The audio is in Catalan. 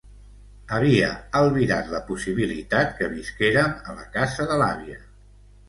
Havia albirat la possibilitat que visquérem a la casa de l’àvia.